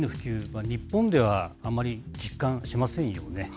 ＥＶの普及は、日本ではあんまり実感しませんよね。